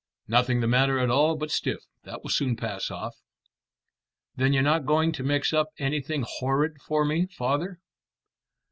"Nothing the matter at all but stiff. That will soon pass off." "Then you're not going to mix up anything horrid for me, father?"